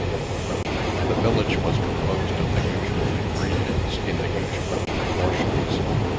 The village was composed of the usual ingredients, in the usual proportions.